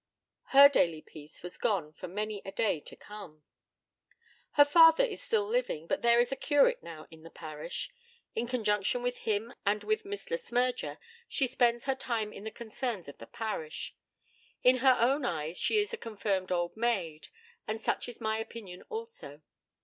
Her daily peace was gone for many a day to come. Her father is still living; but there is a curate now in the parish. In conjunction with him and with Miss Le Smyrger she spends her time in the concerns of the parish. In her own eyes she is a confirmed old maid; and such is my opinion also.